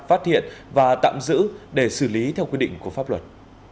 phát hiện và tạm giữ để xử lý theo quy định của pháp luật